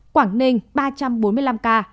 quảng ninh ba trăm bốn mươi năm ca